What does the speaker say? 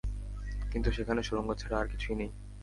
কিন্তু সেখানে সুড়ঙ্গ ছাড়া আর কিছুই নেই।